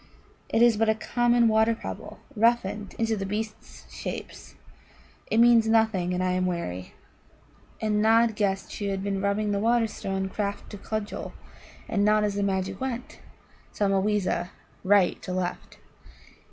It is but a common water pebble roughened into the beasts' shapes. It means nothing, and I am weary." And Nod guessed she had been rubbing the Wonderstone craft to cudgel, and not as the magic went, sama weeza right to left.